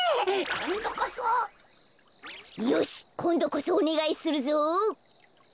こんどこそおねがいするぞ。